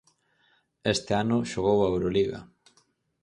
Este ano xogou a Euroliga.